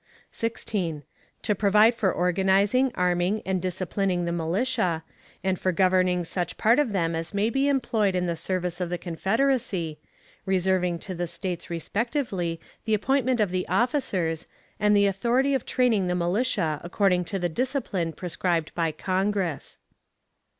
16. To provide for organizing, arming, and disciplining the militia, and for governing such part of them as may be employed in the service of the Confederacy, reserving to the States respectively the appointment of the officers, and the authority of training the militia according to the discipline prescribed by Congress.